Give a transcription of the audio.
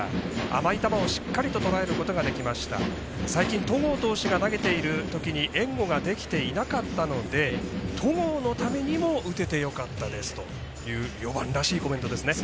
甘い球をしっかりとらえることができました、最近戸郷投手が投げている時に援護ができていなかったので戸郷のためにも打ててよかったですという４番らしいコメントですね。